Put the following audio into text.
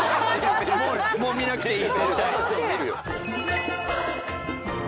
もう見なくていい。